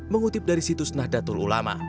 mengutip dari situs nahdlatul ulama